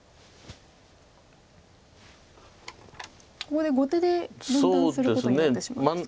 ここで後手で分断することになってしまいますか。